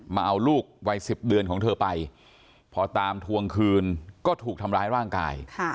มาเอาลูกวัย๑๐เดือนของเธอไปพอตามทวงคืนก็ถูกทำร้ายร่างกาย